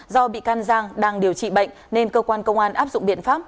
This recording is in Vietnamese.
do bị can giang đang điều trị bệnh nên cơ quan công an áp dụng biện pháp